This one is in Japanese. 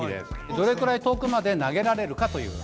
どれくらい遠くまで投げられるかという。